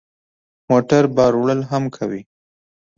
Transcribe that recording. موټر بار وړل هم کوي.